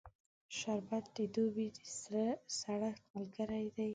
شربت د دوبی د سړښت ملګری دی